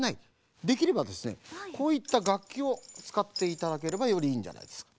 できればですねこういったがっきをつかっていただければよりいいんじゃないですか。